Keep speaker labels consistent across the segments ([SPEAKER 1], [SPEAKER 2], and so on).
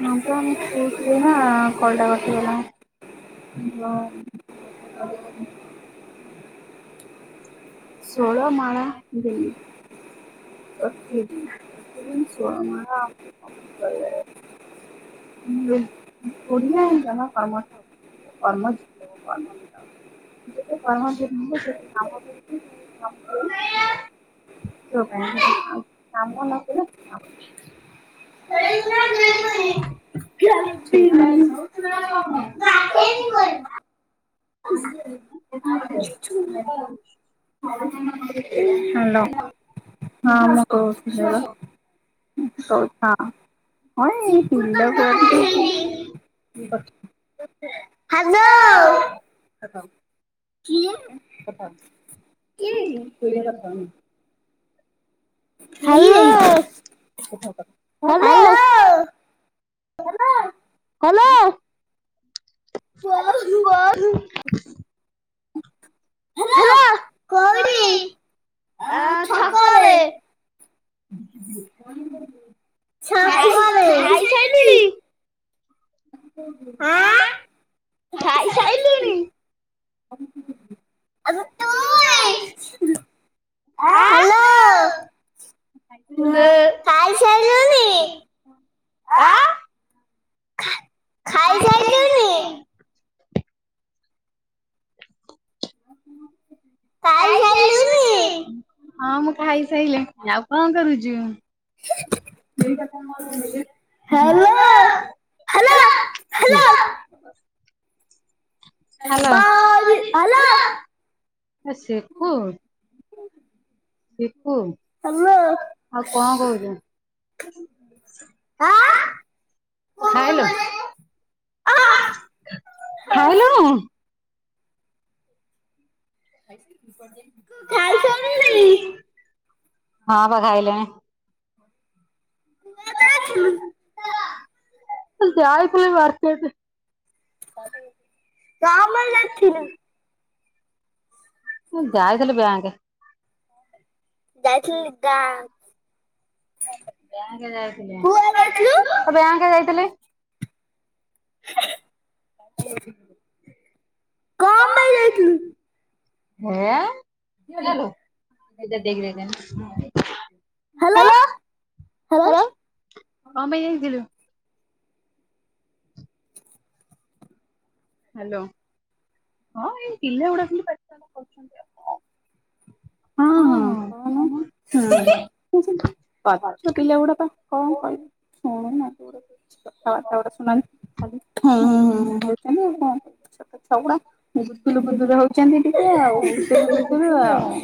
[SPEAKER 1] ହଁ ପା ମୁ କହୁଥିଲି ବା କଲଟା କଟିଗଲା।
[SPEAKER 2] ଆଉ।
[SPEAKER 1] ଷୋଳ ମାଳ ଦେଇ ପ୍ରତିଦିନ ଷୋହଳ ମାଣ। [unintelligible]
[SPEAKER 2] [unintelligible] [inaudible]
[SPEAKER 1] ତୋ ପାଇଁ କାମ ନକଲେ। [unintelligible] ଗଢ଼େଇନି ବୋଲି।
[SPEAKER 2] ହ୍ୟାଲୋ ହଁ ମୁଁ କହୁଥିଲ ବା। ହଉ ହିଁ ହ ଏ ଫୁଲ ପକେଇଲି। [unintelligible] ହ୍ୟାଲୋ। କିଏ କିଏ ଇଏ।
[SPEAKER 1] Hello hello. ହ୍ୟାଲୋ।
[SPEAKER 2] ବୋଉ।
[SPEAKER 1] ହ୍ୟାଲୋ କୋଉଠି ଆ ଚକ
[SPEAKER 2] ରେ।
[SPEAKER 1] ଖାଇ ଖାଇ ଖାଇଲୁଣି? ଆ
[SPEAKER 2] ହଁ
[SPEAKER 1] ଖାଇ ସାଇଲୁଣି? ତୁ ଆ
[SPEAKER 2] ଖାଇସାରିଲୁନି?
[SPEAKER 1] ଆଁ ଖାଇସାରିଲୁଣି?
[SPEAKER 2] [unintelligible]
[SPEAKER 1] ଖେଶରିଲୁଣି ହଁ ମୁଁ ଖାଇସାଇିଲ ଆଉ କଣ କରୁଛୁ?
[SPEAKER 2] [inaudible] ହ୍ୟାଲୋ ହଲୋ ହ୍ୟାଲୋ ବାର ହାଲୋ।
[SPEAKER 1] ଆ ସେପୁ ଶିପୁ ଆଉ କଣ କହୁଛୁ?
[SPEAKER 2] ଆଁ
[SPEAKER 1] ଆ ଖାଇଲୁ? ଖାଇଲୁ
[SPEAKER 2] ଖାଇଶାରିଲୁଣି [unintelligible]
[SPEAKER 1] ଯାଇ ଥିଲି ମାର୍କେଟ।
[SPEAKER 2] କପେଇ ଯାଇଥିଲୁ?
[SPEAKER 1] ମୁଁ ଯାଇଥିଲି ବ୍ୟାଙ୍କ।
[SPEAKER 2] ଯାଇଥିଲ ଗା
[SPEAKER 1] ବ୍ୟାଙ୍କ ଯାଇଥିଲି ବ୍ୟାଙ୍କ ଯାଇଥିଲି।
[SPEAKER 2] କମ ପାଇଁ ଯାଇଥିଲୁ?
[SPEAKER 1] [unintelligible] [unintelligible] କଣ ପାଇଁ ଯାଇଥିଲୁ? ହ୍ୟାଲୋ ହଁ ଏଇ ପିଲା ଗୁଡାଖାଲି [unintelligible]
[SPEAKER 2] ହଁ ହଁ [unintelligible] ହଁ ବାଜେ ପିଲା ଗୁଡା ପା କଣ କହିବି ଶୁଣୁ ନାହାନ୍ତି କଥାବାର୍ତ୍ତା ଗୋଟେ ଶୁଣ [unintelligible] ହୁଁ ହୁଁ [unintelligible] ସଗୁଡା ବୁତୁଲ ବୁଦୁଲ ହଉଛନ୍ତି ଟିକେ ଆଉ କୁତୁଲ ଫୁତୁରୁ ଆଉ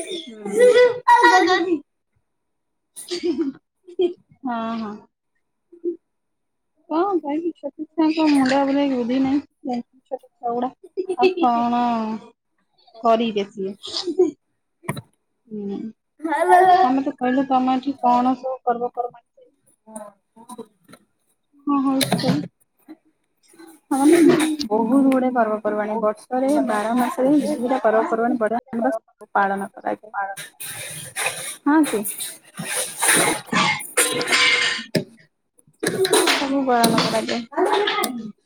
[SPEAKER 2] ହଁ।
[SPEAKER 1] [unintelligible] [unintelligible] ହଁ ହଁ [unintelligible] [unintelligible] [unintelligible] କଣ କରିବେ ସିଏ?
[SPEAKER 2] ହ [inaudible]
[SPEAKER 1] ହୁଁ ଆମେ ତ କହିଲୁ ତମେ ଏଠି କଣ ସବୁ ପର୍ବପର୍ବାଣି
[SPEAKER 2] [unintelligible]
[SPEAKER 1] ହଁ ହଉଚି
[SPEAKER 2] ହଁ ବହୁତ ଗୁଡ଼ିଆ ପର୍ବପର୍ବାଣି ବର୍ଷରେ ବାର ମାସରେ ଯେତିବିଟା ପର୍ବପର୍ବାଣି ପଡି ପାଲାନ କରାଯାଏ ହଁ କି?
[SPEAKER 1] ସବୁ ପାଳନ କରାଯାଏ। [unintelligible]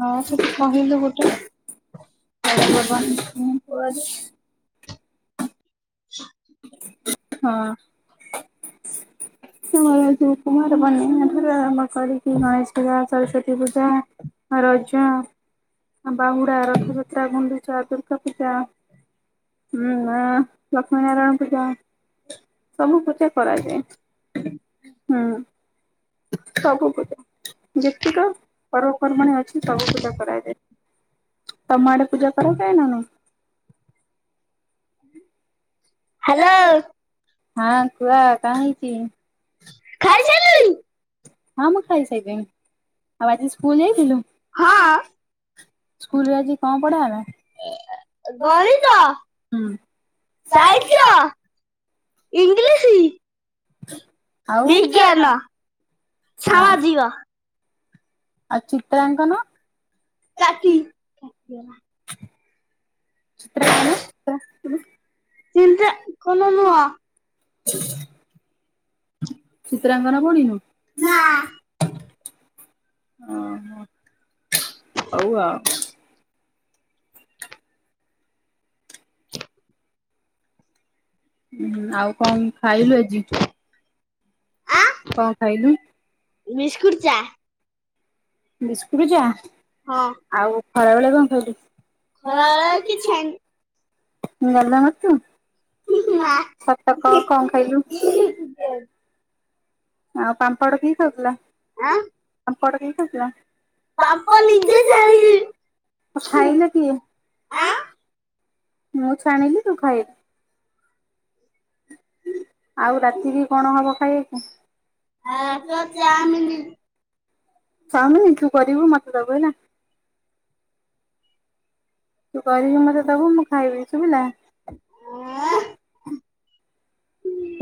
[SPEAKER 1] ହଁ ସେଠି କହିଲୁ ଗୋଟେ [unintelligible] ହ [inaudible]
[SPEAKER 2] ହଁ [unintelligible] କୁମାରପର୍ଣ୍ଣିମା ଠାରୁ ଆରମ୍ଭ କରିକି ଗଣେଶ ପୂଜା ସରସ୍ଵତୀ ପୂଜା ରଜ ବାହୁଡା ରଥଯାତ୍ରା ଗୁଣ୍ଡିୁଚା ଦୁର୍ଗା ପୂଜା ହୁଁ ନା ହନୁମାନ ପୂଜା ସବୁ ପୂଜା କରାଯାଏ ହୁଁ। ସବୁ ପୂଜା ଯେତିକ ପର୍ବପର୍ବାଣି ଅଛି ସବୁ ପୂଜା କରାଯାଏ। ତମ ଆଡ଼େ ପୂଜା କରା ଯାଏ ନା କଣ? ହଁ କୁଅ କଣ ହେଇଛି?
[SPEAKER 1] [unintelligible]
[SPEAKER 2] ହଁ ମୁଁ ଖାଇ ସାଇଲିଣି ଆଉ ଆଜି ସ୍କୁଲ ଯାଇ ଥିଲୁ?
[SPEAKER 1] ହଁ।
[SPEAKER 2] ସ୍କୁଲରେ ଆଜି କଣ ପଢାଗଲା?
[SPEAKER 1] ଗଣିତ ସାହିତ୍ୟ ଇଂଲିଶ
[SPEAKER 2] ଆଉ [unintelligible] ଆଉ ଚିତ୍ରାଙ୍କନ?
[SPEAKER 1] କାଟି
[SPEAKER 2] ଚିତ୍ରଙ୍କନ
[SPEAKER 1] [unintelligible] ନ ନୁହଁ।
[SPEAKER 2] ଚିତ୍ରାଙ୍କନ ପଢ଼ିନୁ?
[SPEAKER 1] ନା
[SPEAKER 2] ଓହୋଃ ହଉ ଆଉ ଆଉ କଣ ଖାଇଲୁ ଆଜି? କଣ ଖାଇଲୁ?
[SPEAKER 1] ଵିସ୍କୁଟ ଚା
[SPEAKER 2] ବିସ୍କୁଟ ଚା
[SPEAKER 1] ହଁ।
[SPEAKER 2] ଆଉ ଖରାବେେଳେ କଣ ଖାଇଲୁ? ଡାଲମା ଭାତ ସତ କହ କଣ ଖାଇଲୁ। ଆଉ ପାମ୍ପଡ କିଏ ଖାଉଥିଲା? ପାମ୍ପଡ କିଏ ଖାଉଥିଲା? ଖାଇଲା କିଏ? ମୁଁ ଛାଣିଲି ତୁ ଖାଇଲୁ। ଆଉ ରାତି କି କଣ ହବ ଖାଇବାକୁ? ଚାଉମିନି ତୁ କରିବୁ ମତେ ଦବୁ ହେଲା। ତୁ କରିକି ମତେ ଦବୁ ମୁଁ ଖାଇବି ଶୁବିଲା।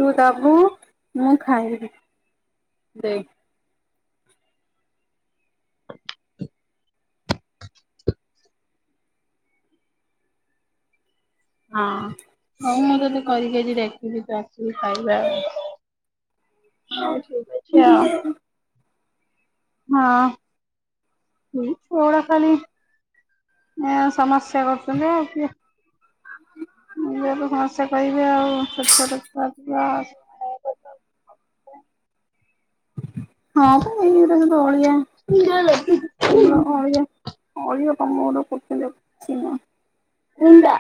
[SPEAKER 2] ତୁ ଦବୁ ମୁଁ ଖାଇବି ଦେ
[SPEAKER 1] ହଁ ହଉ ମୁଁ ତତେ କରିକି ଆଜି ଡାକିବି ତୁ ଆ ମିଶିକି ଖାଇବା [unintelligible] ହଁ। ଏ ଛୁଆଡା ଖାଲି ଏଁ ସମସ୍ୟା କରୁଚନ୍ତି ଆଉ କିଏ।
[SPEAKER 2] ହ
[SPEAKER 1] ଏଇରା ତ ସମସ୍ୟା କରିବେ ଆଉ ଛୋଟ ଛୋଟ ଛୁଆ [unintelligible]
[SPEAKER 2] ହଁ ପା ଏଗୁରା ସୁଦୁ ଅଳିଆ। ତମର ଅଳିଆ ଅଳିଆ ତମର [unintelligible]
[SPEAKER 1] ହୁଣ୍ଡା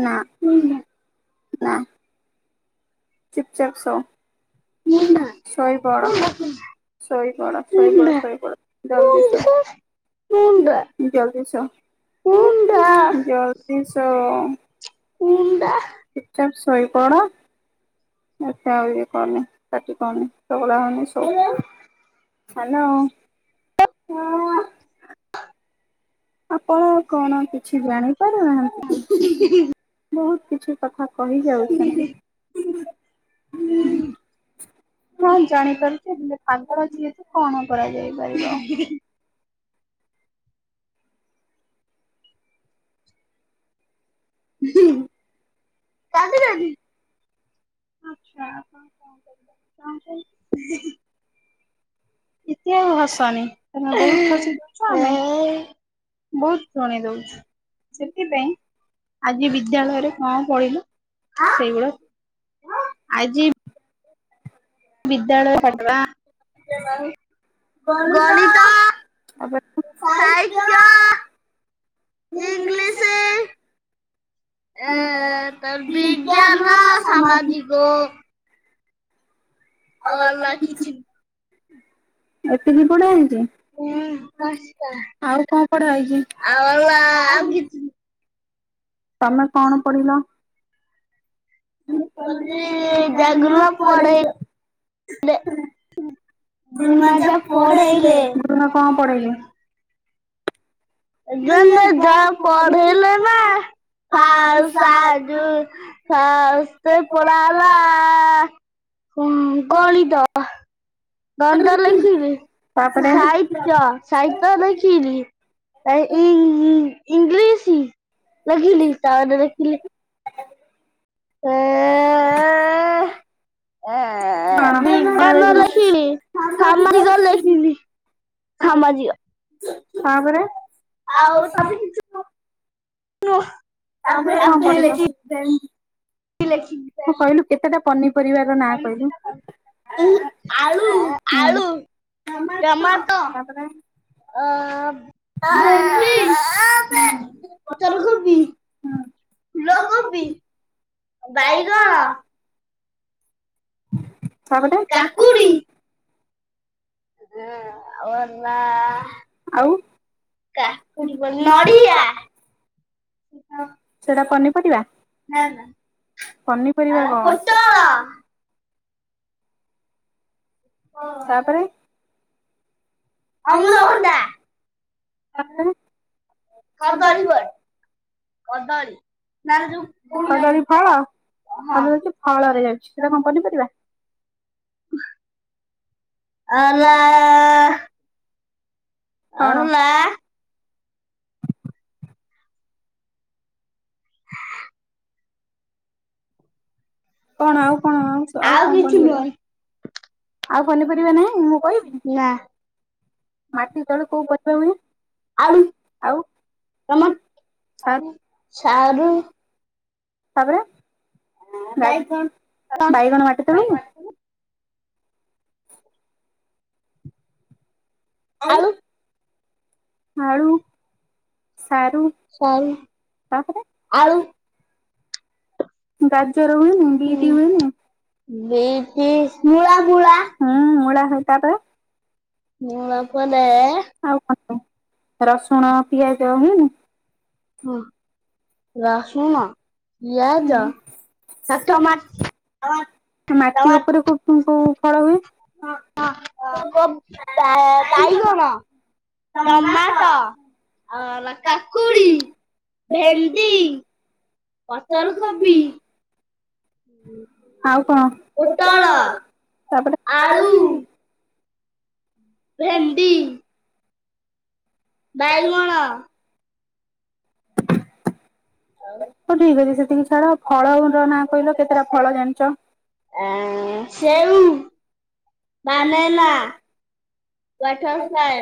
[SPEAKER 2] ନା।
[SPEAKER 1] ହୁଣ୍ଡା
[SPEAKER 2] ଚୁପ୍ ଚାପ୍ ସୋ।
[SPEAKER 1] କୁଣ୍ଡା।
[SPEAKER 2] ଶୋଇପଡ ଶୋଇପଡ ଶୋଇପଡ ଶୋଇପଡ ଜଲ୍ଦି ସୋ। ଜଲ୍ଦି ସୋ ଜଲ୍ଦି ସୋ।
[SPEAKER 1] କୁଣ୍ଡା
[SPEAKER 2] ଚୁପ୍ ଚାପ୍ ଶୋଇପଡ। ଏତେ ଆଉ ଇଏ କରନି ପାଟି କରନି ଚଗଲା ହୋନି ସୋ। ହ୍ୟାଲୋ। ଆପଣ କଣ କିଛି ଜାଣିପାରୁନାହାନ୍ତିକି? ବହୁତ କିଛି କଥା କହି ଯାଉଛନ୍ତି।
[SPEAKER 1] ହୁଁ। ହଁ ଜାଣିପାରୁଚି ହେଲେ ପାଗଳ ଅଛି ଯେହେତୁ କଣ କରାଯାଇ ପାରିବ। [inaudible]
[SPEAKER 2] [inaudible]
[SPEAKER 1] ଏତେ ଆଉ ହସନି ତମ [unintelligible] ବହୁତ ଶୁଣେଇ ଦଉଚୁ। ସେଥିପାଇଁ ଆଜି ବିଦ୍ୟାଳୟରେ କଣ ପଢିଲୁ ସେଇଭଳିଆ ଆଜି ବିଦ୍ୟାଳୟ [unintelligible]
[SPEAKER 2] [unintelligible]
[SPEAKER 1] ସାହିତ୍ୟ ଇଂଲିଶ ଏଁ ତାପରେ ବିଜ୍ଞାନ ସାମାଜିକ ଆଉ ଆଲ୍ଲା କିଛି
[SPEAKER 2] ଏତିକି ପଢା ହେଇଚି?
[SPEAKER 1] ହଁ ପାଞ୍ଚଟା ଆଉ ହେଲା ଆଉ କିଛି
[SPEAKER 2] ତମେ କଣ ପଢିଲ?
[SPEAKER 1] ମୁଁ ପଢ଼ିଲି ଯାହା ଗୁରୁମା ପଢ଼େଇଲେ। ଗୁରୁମା ଯାହା ପଢେଇଲେ। ଯୋଉଦିନ ଯାହା ପଢ଼େଇଲେନା ଆଉ ସା ଯୋଉ ଫାଷ୍ଟେ ପଢ଼ା ହେଲା ଉମ୍ ଗଣିତ। ଗଣିତ ଲେଖିବି? ସାହିତ୍ୟ। ସାହିତ୍ୟ ଲେଖିବି? ଇଂ-ଇଂ-ଇଂଲିଶି। ଲେଖିଲି, ତାପରେ ଲେଖିଲି ଏଁ ଏଁ ଏଁ ବିଜ୍ଞାନ ଲେଖିଲି, ସାମିଜିକ ଲେଖିଲି। ସାମାଜିକ, ତାପରେ ଆଉ
[SPEAKER 2] [inaudible]
[SPEAKER 1] କି ଲେଖିନି।
[SPEAKER 2] ତୁ କହିଲୁ, କେତେଟା ପନିପରିବାର ନାଁ କହିଲୁ? ଆଳୁ ହୁଁ, ଟମାଟ ତାପରେ
[SPEAKER 1] ଅ ଭେଣ୍ଡି, ପତରକୋବି ଫୁଲକୋବି, ବାଇଗଣ
[SPEAKER 2] ତାପରେ, କାକୁଡି
[SPEAKER 1] [unintelligible] ଆଉ ହେଲା, ଆଉ କାକୁଡି ପରେ ନଡିଆ
[SPEAKER 2] ସେଟା ପନିପରିବା? ନା ନା। ପନିପରିବା କହ। ଆଉ ପୋଟଳ
[SPEAKER 1] ହଁ, ତାପରେ ଅମୃତଭଣ୍ଡା, କଦଳୀ ବଢ଼ି। କଦଳୀ। ତାର ଯୋଉ ଭଣ୍ଡା [inaudible] ଆ ଲା
[SPEAKER 2] କଣ? କଣ ଆଉ କଣ ଆଉ, ଆଉ କିଛି ନୁହଁ। ଆଉ ପନିପରିବା ନାହିଁ, ମୁଁ କହିବି ମାଟି ତଳୁ କୋଉ ପରିବା ହୁଏ? ଆଳୁ। ଆଉ? [unintelligible] ତାପରେ
[SPEAKER 1] [unintelligible] ଆଳୁ
[SPEAKER 2] ଆଳୁ, ସାରୁ ତାପରେ ଗାଜର ହୁଏନି, ବିଟି ହୁଏନି ହୁଁ, ମୂଳା ହୁଏ। ତାପରେ
[SPEAKER 1] ମୂଳା ପଲେ
[SPEAKER 2] ଆଉ କଣ ହୁଏ? ରସୁଣ, ପିଆଜ ହୁଏନି?
[SPEAKER 1] ହଁ, ରସୁଣ, ପିଆଜ ଆଉ ଟମାଟ
[SPEAKER 2] ମାଟି ଉପରେ କୋଉ କୋଉ ଫଳ ହୁଏ?
[SPEAKER 1] କୋବ୍ ବା-ବାଇଗଣ ଟମାଟ, ଆ କାକୁଡି ଭେଣ୍ଡି, ପତରକୋବି
[SPEAKER 2] ଆଉ କଣ? ତାପରେ
[SPEAKER 1] ଭେଣ୍ଡି ବାଇଗଣ
[SPEAKER 2] [inaudible] ହଉ ଠିକ ଅଛି, ସେତିକି ଛାଡ। ଫଳର ନାଁ କହିଲ କେତେଟା ଫଳ ଜାଣିଛ?
[SPEAKER 1] ଆଁ ସେଉ, ବାନେଲା ୱାଟର ଫ୍ଲାଏ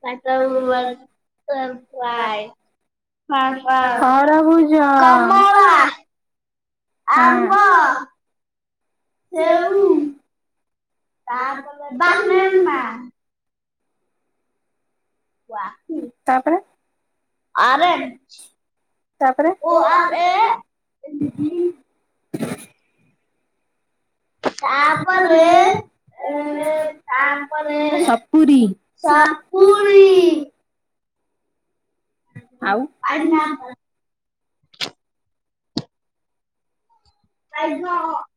[SPEAKER 1] [unintelligible] କମଳା ଆମ୍ବ। ସେଉ ତାପରେ ବାନେନା। [unintelligible]
[SPEAKER 2] ତାପରେ ଅରେଞ୍ଚ ତାପରେ ଓ ଆର୍ [unintelligible] [unintelligible] ତାପରେ ଅରେଞ୍ଚ ତାପରେ ସପୁରୀ ସପୁରୀ। ଆଉ?
[SPEAKER 1] Pine Apple. [unintelligible]